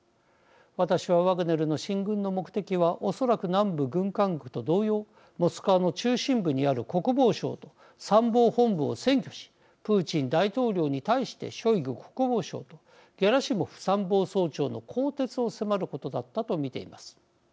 私はワグネルの進軍の目的はおそらく南部軍管区と同様モスクワの中心部にある国防省と参謀本部を占拠しプーチン大統領に対してショイグ国防相とゲラシモフ参謀総長の更迭を迫ることだったと見ています。